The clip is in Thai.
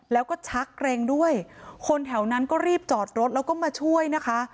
แล้วก็ชักเกร็งด้วยคนแถวนั้นก็รีบจอดรถแล้วก็มาช่วยนะคะ